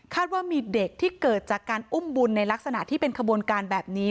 ว่ามีเด็กที่เกิดจากการอุ้มบุญในลักษณะที่เป็นขบวนการแบบนี้